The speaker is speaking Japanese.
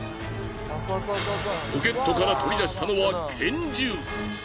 ポケットから取り出したのは拳銃。